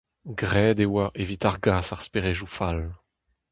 Graet e oa evit argas ar speredoù fall.